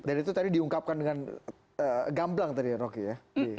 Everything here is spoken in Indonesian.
dan itu tadi diungkapkan dengan gamblang tadi ya rocky ya